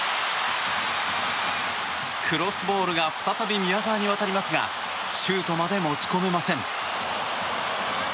クロスボールが再び宮澤に渡りますがシュートまで持ち込めません。